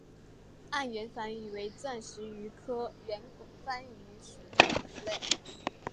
暗圆帆鱼为钻光鱼科圆帆鱼属的鱼类。